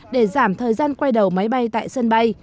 để giảm thời gian quay đầu máy bay tại sân bay